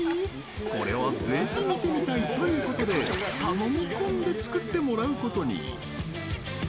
これはぜひ、見てみたい！ということで頼み込んで作ってもらうことに。